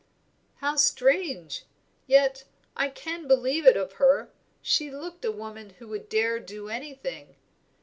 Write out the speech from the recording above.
"How strange! Yet I can believe it of her, she looked a woman who would dare do anything.